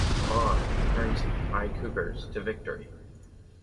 On, Kearns High Cougars, to Victory!